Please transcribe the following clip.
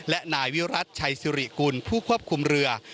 และนายวิรัติชัยสิริกุลผู้ควบคุมเรือ